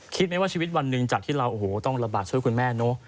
คิดไหมว่าชีวิตวันหนึ่งจากที่เราโอ้โหต้องระบาดช่วยคุณแม่เนอะ